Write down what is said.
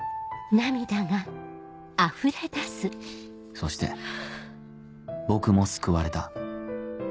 「そして僕も救われた。